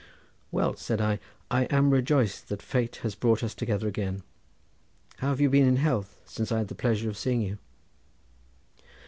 "Well," said I, "I am rejoiced that fate has brought us together again. How have you been in health since I had the pleasure of seeing you?"